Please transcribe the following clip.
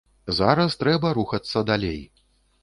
Зараз трэба рухацца далей.